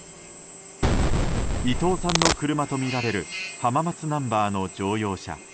伊藤さんの車とみられる浜松ナンバーの乗用車。